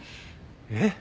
えっ？